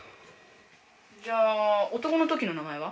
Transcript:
「じゃあ男のときの名前は？」。